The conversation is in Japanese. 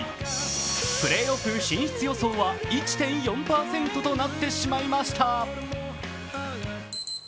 プレーオフ進出予想は、１．４％となってしまいました。